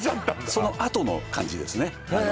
そのあとの感じですね